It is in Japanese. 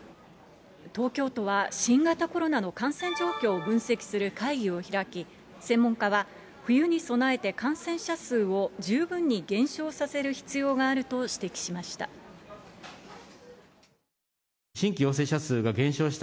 東京都は、新型コロナの感染状況を分析する会議を開き、専門家は、冬に備えて感染者数を十分に減少させる必要があると指摘しました。